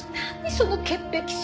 その潔癖症！